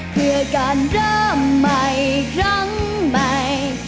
เพื่อการเริ่มใหม่ครั้งใหม่